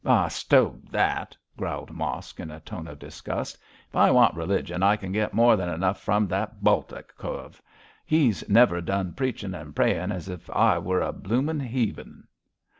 'Oh, stow that!' growled Mosk, in a tone of disgust; 'if I want religion I can get more than enough from that Baltic cove. He's never done preachin' and prayin' as if I were a bloomin' 'eathen.